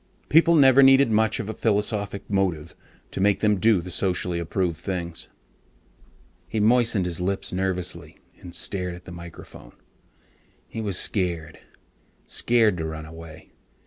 People never needed much of a philosophic motive to make them do the socially approved things. He moistened his lips nervously and stared at the microphone. He was scared. Scared to run away.